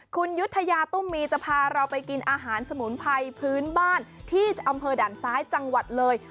คุณยุธยาตุ้มมีจะพาเราไปกินอาหารสมุนไพรพื้นบ้านที่อำเภอด่านซ้ายจังหวัดเลย